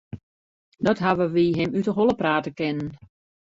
Dat hawwe wy him út 'e holle prate kinnen.